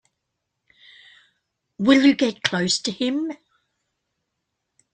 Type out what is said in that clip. Will you get close to him?